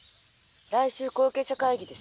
来週後継者会議でしょ？」。